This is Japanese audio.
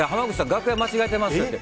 楽屋間違えていますって。